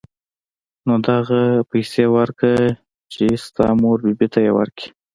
نو دغه پيسې وركه چې د تا مور بي بي ته يې وركي.